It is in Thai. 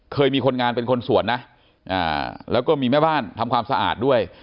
เคยมีคนงานเป็นคนสวนนะแล้วก็มีแม่บ้านทำความสะอาดด้วย